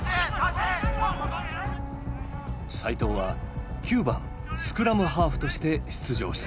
齋藤は９番スクラムハーフとして出場した。